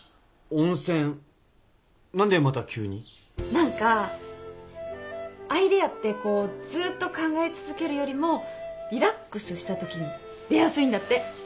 何かアイデアってこうずっと考え続けるよりもリラックスしたときに出やすいんだって。